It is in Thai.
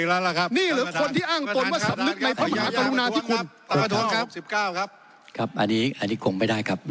แล้วล่ะครับนี่หรือคนที่อ้างตนว่าสำนึกในพระมหากรุงนาที่คุณครับอันนี้อันนี้คงไม่ได้ครับ